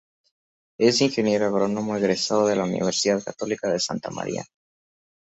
Es ingeniero agrónomo egresado de la Universidad Católica de Santa María.